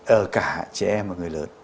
ở cả trẻ em và người lớn